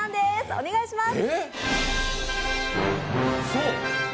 お願いします。